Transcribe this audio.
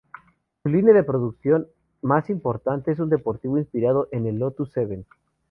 Su línea de producción más importante es un deportivo inspirado en el Lotus Seven